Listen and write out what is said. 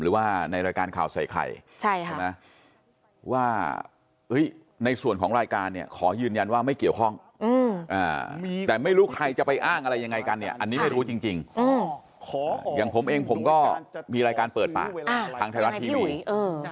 หรือว่าในรายการข่าวใส่ไข่ว่าในส่วนของรายการเนี่ยขอยืนยันว่าไม่เกี่ยวข้องแต่ไม่รู้ใครจะไปอ้างอะไรยังไงกันเนี่ยอันนี้ไม่รู้จริงอย่างผมเองผมก็มีรายการเปิดปากทางไทยรัฐทีวี